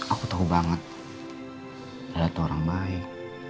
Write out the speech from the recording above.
aku tahu banget ada tuh orang baik